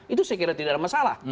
itu saya kira tidak ada masalah